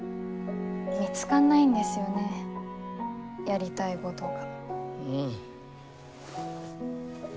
見つかんないんですよねやりたいごどが。